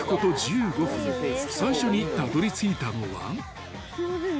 ［最初にたどり着いたのは］